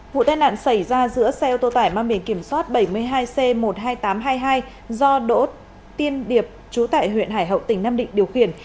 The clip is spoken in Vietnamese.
vụ tai nạn xảy ra giữa xe ô tô tải mang biển kiểm soát bảy mươi hai c một mươi hai nghìn tám trăm hai mươi hai do đỗ tiên điệp trú tại huyện